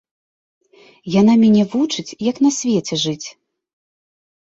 Яна мяне вучыць, як на свеце жыць.